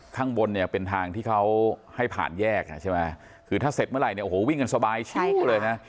ข้างบนเนี่ยเป็นทางที่เขาให้ผ่านแยกอ่ะใช่ไหมคือถ้าเสร็จเมื่อไหร่เนี่ยโอ้โหวิ่งกันสบายชิกเลยนะ